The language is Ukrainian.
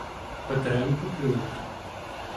Петренко плюнув.